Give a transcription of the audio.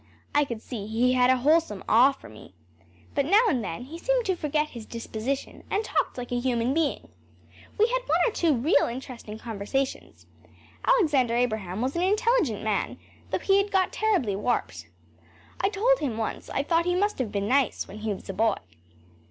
I could see he had a wholesome awe for me. But now and then he seemed to forget his disposition and talked like a human being. We had one or two real interesting conversations. Alexander Abraham was an intelligent man, though he had got terribly warped. I told him once I thought he must have been nice when he was a boy.